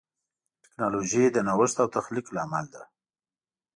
ټکنالوجي د نوښت او تخلیق لامل ده.